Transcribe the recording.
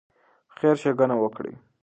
خیر ښېګڼه وکړئ.